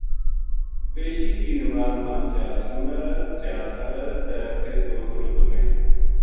پیشی کی نماز ما چار سنت چار فرض تے فر دو سنت ہوویں۔